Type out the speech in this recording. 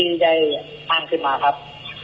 ที่ใจอ้างคิดมาครับ